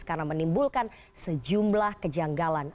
karena menimbulkan sejumlah kejanggalan